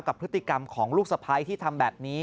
กับพฤติกรรมของลูกสะพ้ายที่ทำแบบนี้